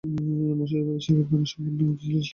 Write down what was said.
মুর্শিদাবাদে শাকিব খানের সঙ্গে দুটি স্টেজ শোতে অংশ নেন।